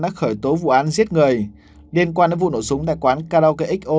đã khởi tố vụ án giết người liên quan đến vụ nổ súng tại quán karaoke xo